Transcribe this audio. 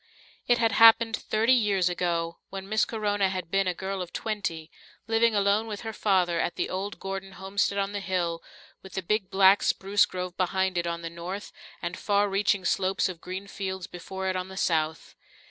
It had happened thirty years ago, when Miss Corona had been a girl of twenty, living alone with her father at the old Gordon homestead on the hill, with the big black spruce grove behind it on the north and far reaching slopes of green fields before it on the south.